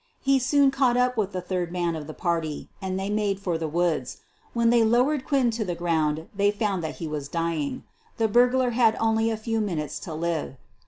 He soon caught up with the third man of the party and they made for the woods. When they lowered Quinn to the ground they found that he was dying. The burglar had only a few minutes to live.